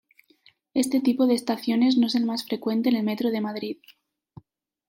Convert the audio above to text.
Este tipo de estaciones no es el más frecuente en el Metro de Madrid.